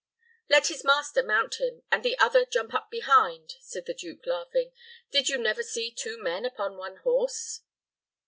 "Let his master mount him, and the other jump up behind," said the duke, laughing. "Did you never see two men upon one horse?"